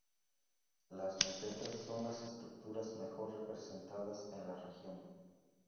Las mesetas son las estructuras mejor representadas en la región.